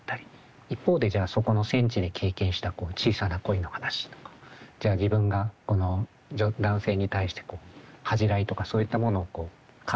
一方でじゃあそこの戦地で経験した小さな恋の話とかじゃあ自分がこの男性に対して恥じらいとかそういったものをこう感じたり。